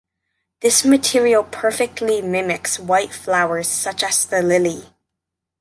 This material perfectly mimics white flowers such as the lily.